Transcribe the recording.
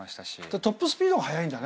トップスピードが速いんだね。